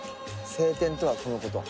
晴天とはこのこと。